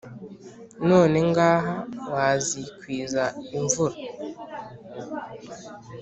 none ngaha wazikwiza imvura